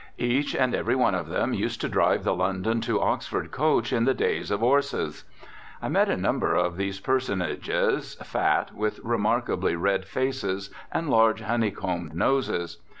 Each and every one of them used to drive the London to Oxford coach in the days of 'orses. I met a number of these personages, fat, with remarkably red faces and large honeycombed noses.